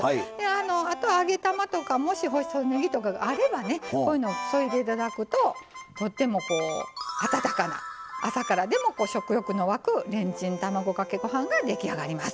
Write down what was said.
あとは揚げ玉とかもし細ねぎとかあれば添えていただくととっても温かな朝からでも食欲のわくレンチン卵かけご飯が出来上がります。